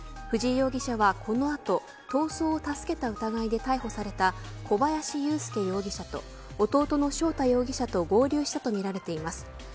藤井容疑者は、この後逃走を助けた疑いで逮捕された小林優介容疑者と弟の翔太容疑者と合流したとみられています。